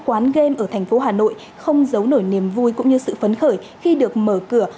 quán game ở thành phố hà nội không giấu nổi niềm vui cũng như sự phấn khởi khi được mở cửa